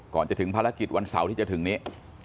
ก่อนจะถึงภารกิจวันเสาร์ที่จะถึงนี้